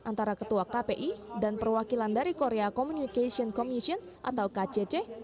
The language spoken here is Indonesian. antara ketua kpi dan perwakilan dari korea communication commission atau kcc